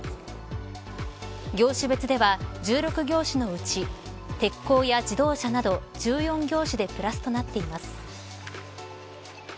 業種別では、１６業種のうち鉄鋼や自動車など１４業種でプラスとなっています。